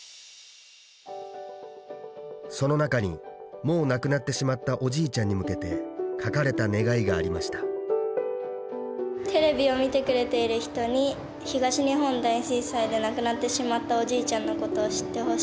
その中にもう亡くなってしまったおじいちゃんに向けて書かれた願いがありました「テレビを見てくれている人に東日本大震災で亡くなってしまったおじいちゃんのことを知ってほしいです」。